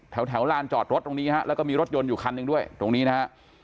แถวลานจอดรถตรงนี้ฮะแล้วก็มีรถยนต์อยู่คันหนึ่งด้วยตรงนี้นะฮะ